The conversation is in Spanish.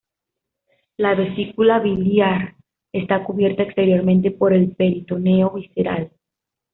La vesícula biliar está cubierta exteriormente por el peritoneo visceral.